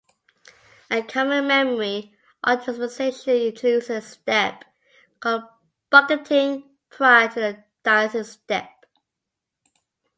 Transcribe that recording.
A common memory optimization introduces a step called "bucketing" prior to the dicing step.